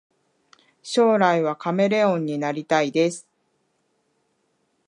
将来はカメレオンになりたいです